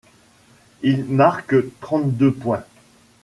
Il marque trente-deux points.